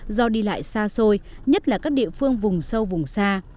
do đi lại xa xôi nhất là các địa phương vùng sâu vùng xa